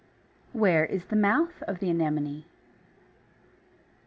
3. Where is the mouth of the Anemone?